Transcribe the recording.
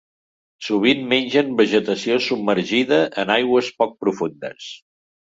Sovint mengen vegetació submergida en aigües poc profundes.